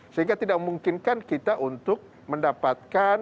sehingga tidak memungkinkan kita untuk mendapatkan